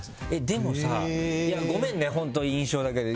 でも、ごめんね本当印象だけで。